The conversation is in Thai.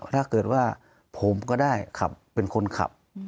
ถ้าเกิดว่าผมก็ได้ขับเป็นคนขับ